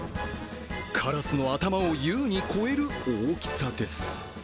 カラスの頭を優に超える大きさです。